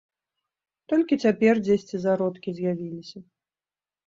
Толькі цяпер дзесьці зародкі з'явіліся.